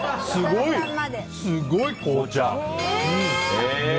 すごい、紅茶。